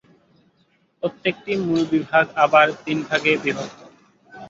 প্রত্যেকটি মূল বিভাগ আবার তিন ভাগে বিভক্ত।